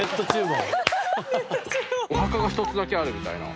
お墓が１つだけあるみたいな。